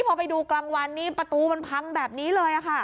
พอไปดูกลางวันนี้ประตูมันพังแบบนี้เลยค่ะ